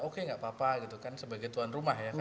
oke gak apa apa gitu kan sebagai tuan rumah ya kan